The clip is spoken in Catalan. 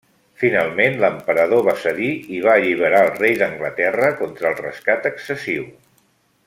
Finalment l'emperador va cedir i va alliberar al rei d'Anglaterra contra el rescat excessiu.